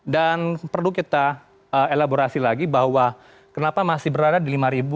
perlu kita elaborasi lagi bahwa kenapa masih berada di lima